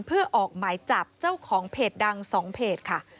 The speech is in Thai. เพื่อออกหมายจับเจ้าของเพจดัง๒เพจค่ะ